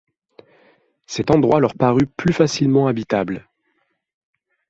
Cet endroit leur parut plus facilement habitable.